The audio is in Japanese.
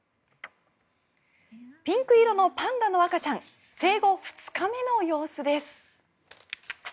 ピンク色のパンダの赤ちゃん生後２日目の様子です。